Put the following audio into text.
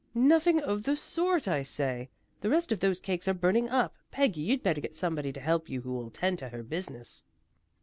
"Nothing of the sort. Oh, say! The rest of those cakes are burning up. Peggy, you'd better get somebody to help you who will attend to her business."